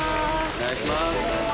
お願いします。